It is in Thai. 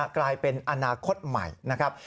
กลายเป็นอนาคตใหม่นะครับ